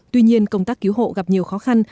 tuy nhiên công tác cứu hộ gặp nhiều khó khăn